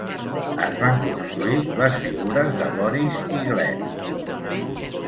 Es van construir les figures de Boris i Gleb.